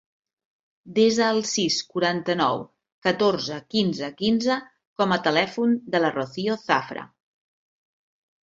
Desa el sis, quaranta-nou, catorze, quinze, quinze com a telèfon de la Rocío Zafra.